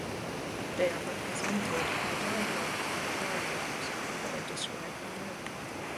They are represented by digraphs and trigraphs that are described below.